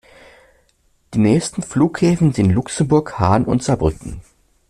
Die nächsten Flughäfen sind in Luxemburg, Hahn und Saarbrücken.